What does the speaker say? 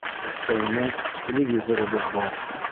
Өҫтәүенә, телевизорыбыҙ бар.